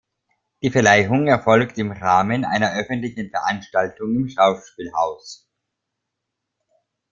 Die Verleihung erfolgt im Rahmen einer öffentlichen Veranstaltung im Schauspielhaus.